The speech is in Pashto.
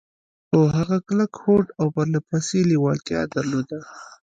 خو هغه کلک هوډ او پرله پسې لېوالتيا درلوده.